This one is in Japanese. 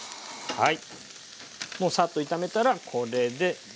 はい。